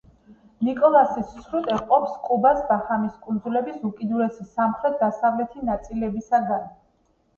ნიკოლასის სრუტე ყოფს კუბას ბაჰამის კუნძულების უკიდურესი სამხრეთ-დასავლეთი ნაწილისაგან.